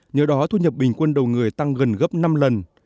nhờ đó thu nhập bình quân đầu người tăng gần gấp năm lần